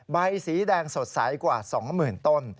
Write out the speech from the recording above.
ใบสีแดงสดใสกว่า๒๐๐๐ต้น